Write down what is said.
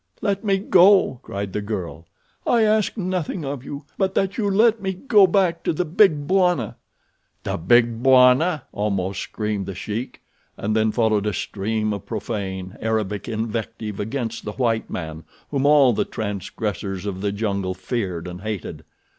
"Let me go," cried the girl. "I ask nothing of you, but that you let me go back to the Big Bwana." "The Big Bwana?" almost screamed The Sheik, and then followed a stream of profane, Arabic invective against the white man whom all the transgressors of the jungle feared and hated.